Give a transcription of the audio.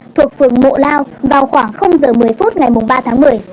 thuộc phường mộ lao vào khoảng giờ một mươi phút ngày ba tháng một mươi